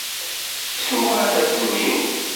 Ttuɣ arraten-iw.